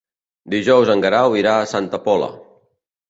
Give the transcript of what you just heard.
Dijous en Guerau irà a Santa Pola.